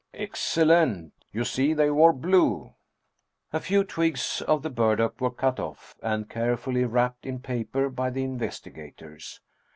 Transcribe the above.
''" Excellent ! You see they wore blue !" A few twigs of the burdock were cut off, and care fully wrapped in paper by the investigators.